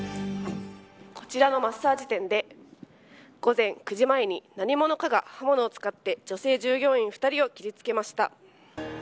こちらのマッサージ店で午前９時前に何者かが刃物を使って女性従業員２人を切りつけました。